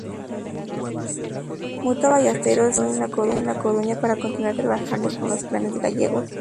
Matta Ballesteros se afincó en La Coruña para continuar trabajando con los clanes gallegos.